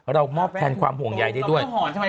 เรามอบแทนความห่วงใยได้ด้วย